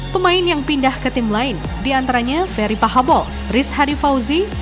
pemain yang pindah ke tim lain diantaranya ferry pahabol riz hadi fauzi